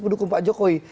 pendukung pak jokowi